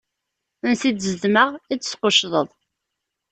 Ansi i d-zedmeɣ, i d-tesquccḍeḍ.